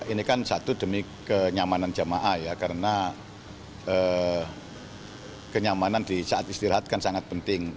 ini kan satu demi kenyamanan jamaah ya karena kenyamanan di saat istirahat kan sangat penting